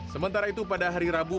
sementara itu pada hari rabu